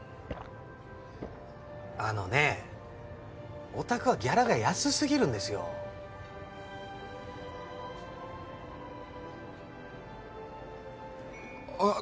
あのねおたくはギャラが安すぎるんですよあっ